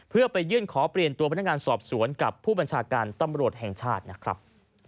เพื่อไปยื่นขอเปลี่ยนตัวพนักงานสอบสวนกับผู้บัญชาการตำรวจแห่งชาตินะครับ